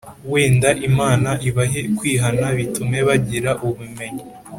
Wenda imana ibahe kwihana m bitume bagira ubumenyi